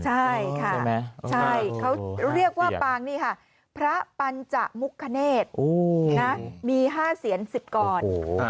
ใช่ค่ะใช่เขาเรียกว่าปางนี่ค่ะพระปัญจมุกคเนธมี๕เสียน๑๐กร